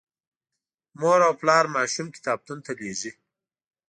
مور او پلار ماشوم کتابتون ته لیږي.